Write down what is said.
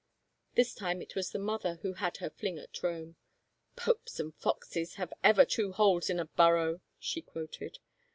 This time it was the mother who had her fling at Rome. *• Popes and foxes have ever two holes to a burrow," she quoted.